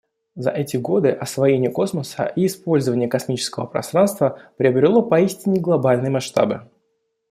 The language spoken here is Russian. За эти годы освоение космоса и использование космического пространства приобрело поистине глобальные масштабы.